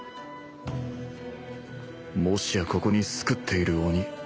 もしやここに巣くっている鬼